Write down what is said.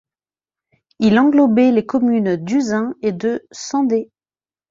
Il englobait les communes d'Uzein et de Sendets.